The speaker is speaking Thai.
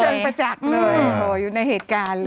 ประจักษ์เลยอยู่ในเหตุการณ์เลย